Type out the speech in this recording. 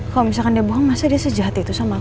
kalau misalkan dia bohong masa dia sejahat itu sama aku